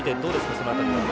その辺りは。